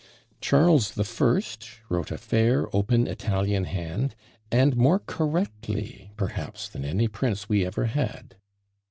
"Charles the First wrote a fair open Italian hand, and more correctly perhaps than any prince we ever had."